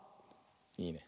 いいね。